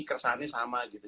keresahannya sama gitu